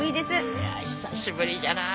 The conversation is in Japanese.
いや久しぶりじゃな。